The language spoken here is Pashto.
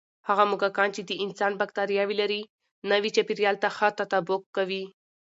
هغه موږکان چې د انسان بکتریاوې لري، نوي چاپېریال ته ښه تطابق کوي.